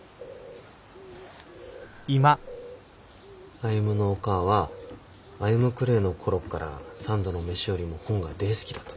歩のおかあは歩くれえの頃っから三度の飯よりも本が大好きだっただ。